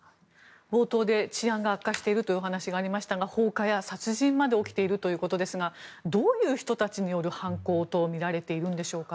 冒頭で治安が悪化しているという話がありましたが放火や殺人まで起きているということですがどういう人たちによる犯行とみられているんでしょうか。